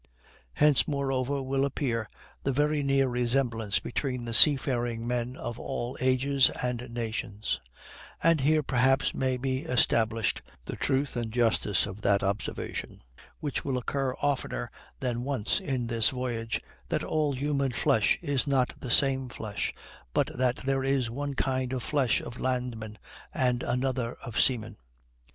Hence, moreover, will appear the very near resemblance between the sea faring men of all ages and nations; and here perhaps may be established the truth and justice of that observation, which will occur oftener than once in this voyage, that all human flesh is not the same flesh, but that there is one kind of flesh of landmen, and another of seamen.